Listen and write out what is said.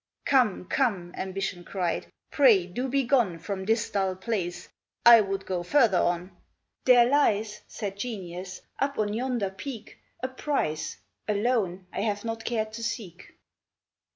'Come, come!' Ambition cried; 'Pray, do be gone From this dull place: I would go further on.' 'There lies,' said Genius, 'up on yonder peak A Prize, alone, I have not cared to seek.'